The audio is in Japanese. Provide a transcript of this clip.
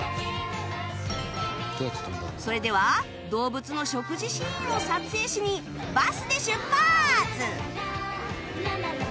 それでは動物の食事シーンを撮影しにバスで出発！